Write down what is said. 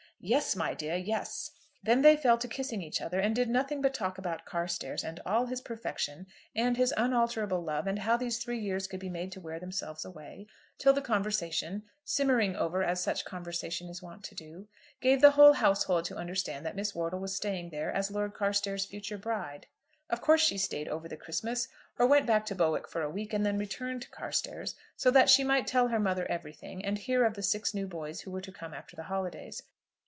"Yes, my dear, yes." Then they fell to kissing each other, and did nothing but talk about Carstairs and all his perfections, and his unalterable love, and how these three years could be made to wear themselves away, till the conversation, simmering over as such conversation is wont to do, gave the whole household to understand that Miss Wortle was staying there as Lord Carstairs's future bride. Of course she stayed over the Christmas, or went back to Bowick for a week, and then returned to Carstairs, so that she might tell her mother everything, and hear of the six new boys who were to come after the holidays.